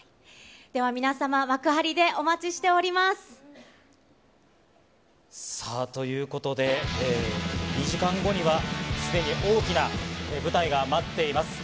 では、皆様、幕張でお待ちしさあ、ということで、２時間後には、すでに大きな舞台が待っています。